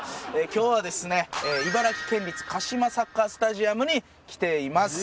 今日はですね茨城県立カシマサッカースタジアムに来ています。